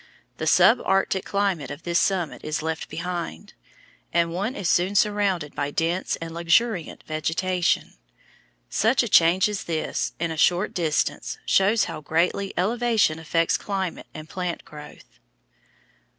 The sub arctic climate of the summit is left behind, and one is soon surrounded by dense and luxuriant vegetation. Such a change as this, in a short distance, shows how greatly elevation affects climate and plant growth.